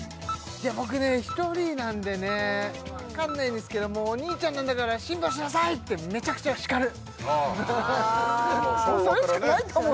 僕ね１人なんでねわかんないんですけどもお兄ちゃんなんだから辛抱しなさい！ってメチャクチャしかる